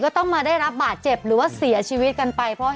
ก็ก็ต้องมาได้เป็นบาตเจ็บหรือว่าสวยชีวิตกันไป